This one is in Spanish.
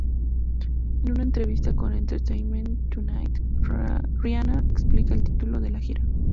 En una entrevista con Entertainment Tonight, Rihanna explica el título de la gira.